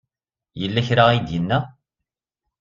Yella kra ay d-yenna?